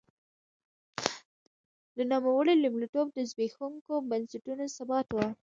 د نوموړي لومړیتوب د زبېښونکو بنسټونو ثبات و.